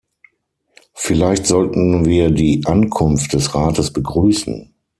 Vielleicht sollten wir die Ankunft des Rates begrüßen.